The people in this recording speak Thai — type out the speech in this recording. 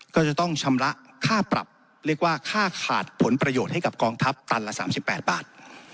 ก็จะต้องชำระค่าปรับเรียกว่าค่าขาดผลประโยชน์ให้กับกองทัพตันละ๓๘บาท